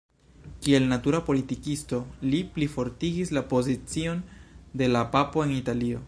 Kiel natura politikisto, li plifortigis la pozicion de la papo en Italio.